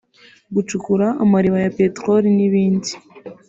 gucukura amariba ya peteroli n’ibindi